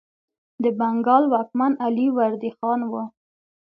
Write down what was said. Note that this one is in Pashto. د بنګال واکمن علي وردي خان و.